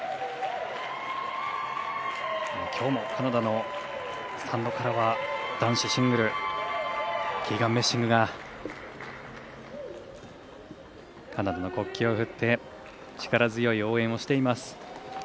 きょうもカナダのスタンドからは男子シングルキーガン・メッシングがカナダの国旗を振って力強い応援をしています。